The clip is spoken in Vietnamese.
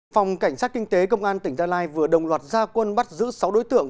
phòng cảnh sát kinh tế công an tỉnh gia lai vừa đồng loạt gia quân bắt giữ sáu đối tượng